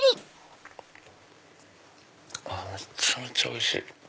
めちゃめちゃおいしい。